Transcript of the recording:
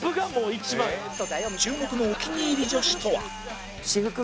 注目のお気に入り女子とは？